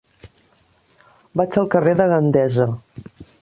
Vaig al carrer de Gandesa.